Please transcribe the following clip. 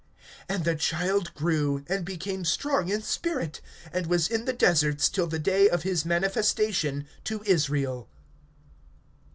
(80)And the child grew, and became strong in spirit, and was in the deserts till the day of his manifestation to Israel.